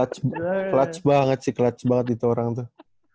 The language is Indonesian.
clutch banget sih clutch banget itu orang tuh